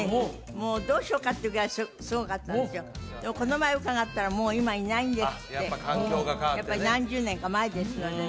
もうどうしようかってぐらいすごかったんですよでもこの前伺ったらもう今いないんですってやっぱ環境が変わってね